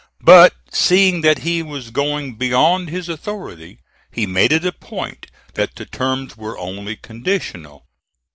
But seeing that he was going beyond his authority, he made it a point that the terms were only conditional.